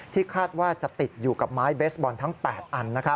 คาดว่าจะติดอยู่กับไม้เบสบอลทั้ง๘อัน